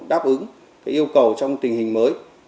đáp ứng yêu cầu trong tình hình mới